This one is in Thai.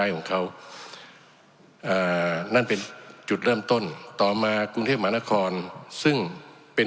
ของเขาอ่านั่นเป็นจุดเริ่มต้นต่อมากรุงเทพมหานครซึ่งเป็น